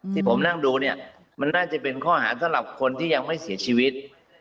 ที่ผมนั่งดูเนี่ยมันน่าจะเป็นข้อหาสำหรับคนที่ยังไม่เสียชีวิต